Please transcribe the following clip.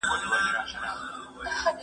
کتابتون څېړنه د ډېرو پوهانو لومړی انتخاب وي.